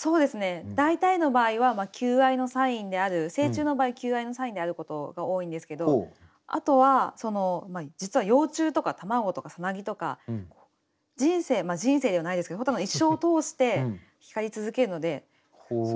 大体の場合は求愛のサインである成虫の場合求愛のサインであることが多いんですけどあとは実は幼虫とか卵とかさなぎとか人生人生ではないですけど蛍は一生を通して光り続けるので。